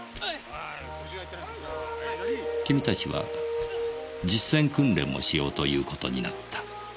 君たちは実践訓練もしようという事になった。